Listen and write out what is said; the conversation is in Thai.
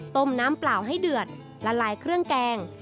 น้ำเปล่าให้เดือดละลายเครื่องแกง